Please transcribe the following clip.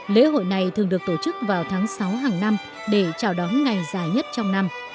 lễ hội này thường được tổ chức vào tháng sáu hàng năm để chào đón ngày dài nhất trong năm